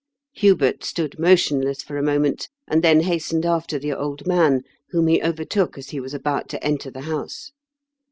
Hubert stood motionless for a moment, and then hastened after the old man, whom he overtook as he was about to enter the house.